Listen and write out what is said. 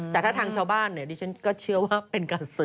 แต่ถ้าทางชาวบ้านเนี่ยดิฉันก็เชื่อว่าเป็นการสื่อ